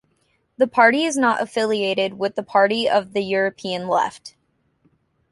The party is not affiliated with the Party of the European Left.